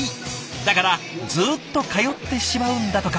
だからずっと通ってしまうんだとか。